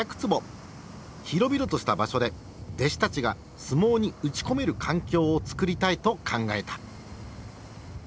広々とした場所で弟子たちが相撲に打ち込める環境を作りたいと考えた。